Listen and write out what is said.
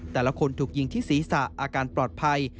แต่ละคนถูกยิงที่ศีรษะอาการปลอดภัย